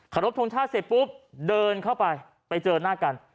รบทรงชาติเสร็จปุ๊บเดินเข้าไปไปเจอหน้ากัน